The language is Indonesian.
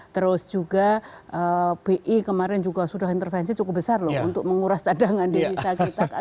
terus juga bi kemarin juga sudah intervensi cukup besar loh untuk menguras cadangan di desa kita